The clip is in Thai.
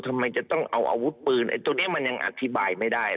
ทำไมจะต้องเอาอาวุธปืนไอ้ตัวนี้มันยังอธิบายไม่ได้